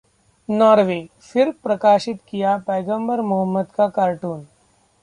Norway: फिर प्रकाशित किया पैगंबर मोहम्मद का कार्टून